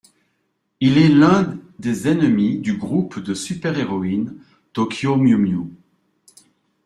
Il est l'un des ennemis du groupe de super-héroïnes Tôkyô mew mew.